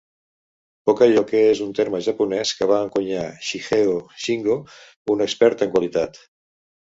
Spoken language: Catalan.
"Poka-yoke" és un terme japonès que va encunyar Shigeo Shingo, un expert en qualitat.